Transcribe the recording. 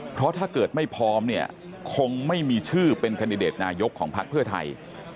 เพราะถ้าเกิดไม่พร้อมเนี่ยคงไม่มีชื่อเป็นคันดิเดตนายกของพักเพื่อไทย